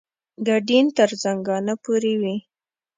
ګډین تر زنګانه پورې وي.